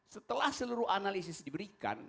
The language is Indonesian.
setelah seluruh analisis diberikan